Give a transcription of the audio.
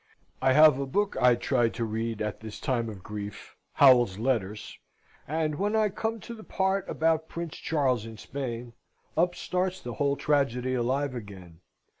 I have a book I tried to read at this time of grief Howel's Letters and when I come to the part about Prince Charles in Spain, up starts the whole tragedy alive again.